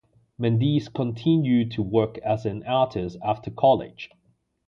Mendez continued to work as an artist after college.